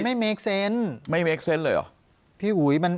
ปากกับภาคภูมิ